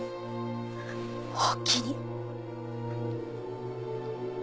おおきに。